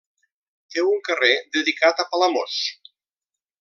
Té un carrer dedicat a Palamós.